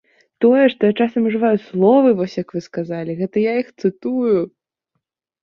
Тое, што я часам ужываю словы, вось як вы сказалі, гэта я іх цытую.